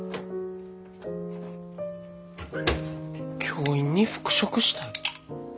教員に復職したい？